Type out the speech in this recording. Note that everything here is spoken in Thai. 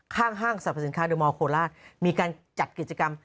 ห้างสรรพสินค้าเดอร์มอลโคลาสมีการจัดกิจกรรม